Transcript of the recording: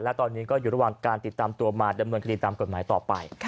และตอนนี้ก็อยู่ระหว่างการติดตามตัวมาดำเนินคดีตามกฎหมายต่อไป